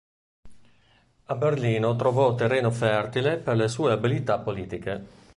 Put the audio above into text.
A Berlino trovò terreno fertile per le sue abilità politiche.